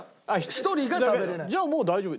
じゃあもう大丈夫。